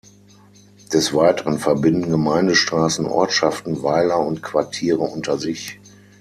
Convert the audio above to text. Des Weiteren verbinden Gemeindestraßen Ortschaften, Weiler und Quartiere unter sich.